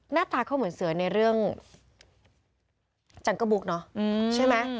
หน้าตาเขาเหมือนเสือในเรื่องจังกะบุกเนาะ